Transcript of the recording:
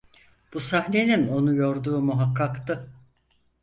Bu sahnenin onu yorduğu muhakkaktı.